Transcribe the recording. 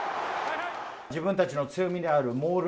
自分たちの強みであるモール